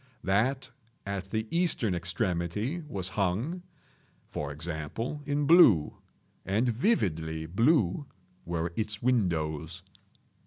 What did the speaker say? That at the eastern extremity was hung, for example, in blue—and vividly blue were its windows.